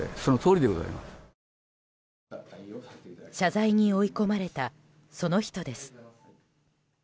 謝罪に追い込まれたその人です。